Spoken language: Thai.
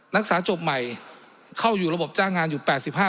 นักศึกษาจบใหม่เข้าอยู่ระบบจ้างงานอยู่๘๕